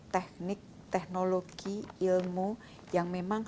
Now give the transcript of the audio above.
teknik teknologi ilmu yang memang